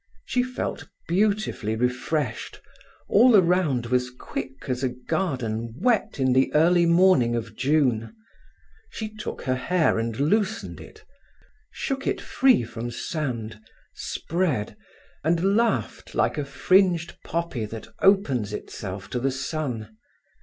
She felt beautifully refreshed. All around was quick as a garden wet in the early morning of June. She took her hair and loosened it, shook it free from sand, spread, and laughed like a fringed poppy that opens itself to the sun.